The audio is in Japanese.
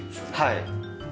はい。